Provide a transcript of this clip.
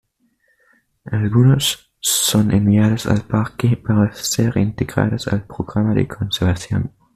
Algunas son enviadas al parque para ser integradas al Programa de Conservación.